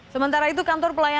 sementara itu kantor pelayanan